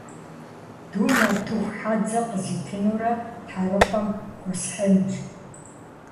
Дум нартыху хьэдзэ къызитынурэ Тхьэрыкъуэм хуэсхьынущ.